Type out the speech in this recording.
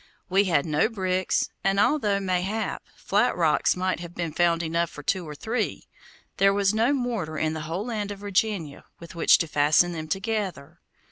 We had no bricks, and although, mayhap, flat rocks might have been found enough for two or three, there was no mortar in the whole land of Virginia with which to fasten them together.